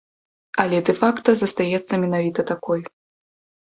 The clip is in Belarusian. Але дэ-факта застаецца менавіта такой.